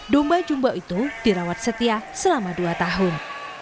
domba jumbo itu dirawat setia selama dua tahun